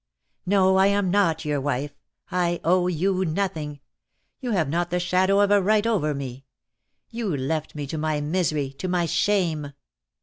"No, I am not your wife. I owe you nothing. You have not the shadow of a right over me. You left me to my misery, to my shame."